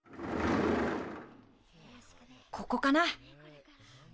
ここかな。